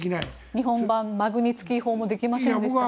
日本版マグニツキー法もできませんでした。